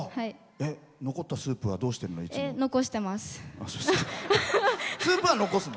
残ったスープはどうしてるの、いつも。